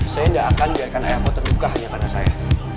saya tidak akan biarkan ayahmu terbuka hanya karena saya